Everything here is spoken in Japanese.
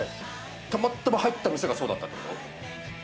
たまたま入った店がそうだったの。